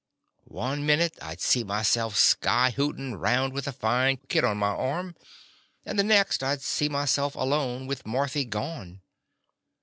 One minute I 'd see myself sky hootin' round with a fine kid on my arm, and the next I 'd see myself alone, with Marthy gone.